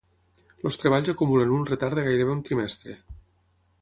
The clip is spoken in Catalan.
Els treballs acumulen un retard de gairebé un trimestre.